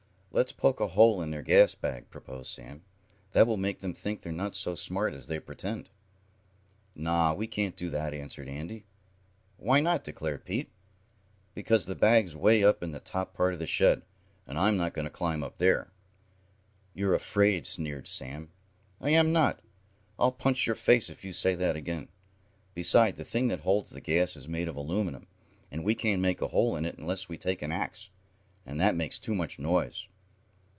"Let's poke a hole in their gas bag," proposed Sam. "That will make them think they're not so smart as they pretend." "Naw, we can't do that," answered Andy. "Why not?" declared Pete. "Because the bag's away up in the top part of the shed, and I'm not going to climb up there." "You're afraid," sneered Sam. "I am not! I'll punch your face if you say that again! Besides the thing that holds the gas is made of aluminum, and we can't make a hole in it unless we take an axe, and that makes too much noise."